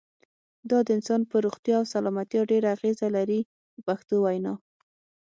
دا د انسان پر روغتیا او سلامتیا ډېره اغیزه لري په پښتو وینا.